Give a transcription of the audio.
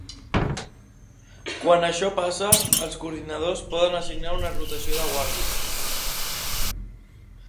Quan això passa, els coordinadors poden assignar una rotació de guàrdia.